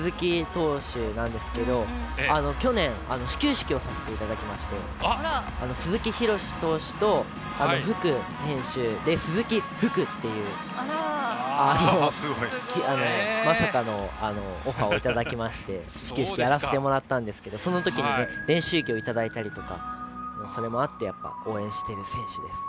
投手なんですけど去年始球式をさせていただきまして鈴木博志投手と、福選手で鈴木、福っていうまさかのオファーをいただきまして始球式やらせていただいたんですがそのとき練習着をいただいたりそれもあって応援してる選手です。